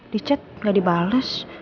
dicat gak dibalas